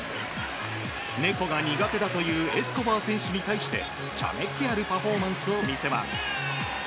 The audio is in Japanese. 猫が苦手だというエスコバー選手に対して茶目っ気あるパフォーマンスを見せます。